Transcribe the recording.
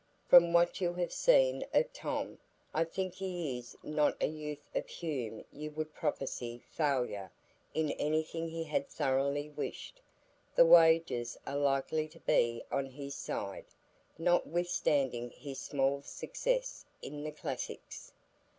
From what you have seen of Tom, I think he is not a youth of whom you would prophesy failure in anything he had thoroughly wished; the wagers are likely to be on his side, notwithstanding his small success in the classics.